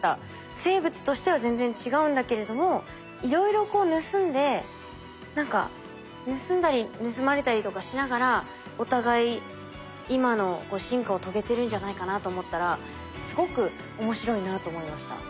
生物としては全然違うんだけれどもいろいろこう盗んで何か盗んだり盗まれたりとかしながらお互い今の進化を遂げてるんじゃないかなと思ったらすごく面白いなと思いました。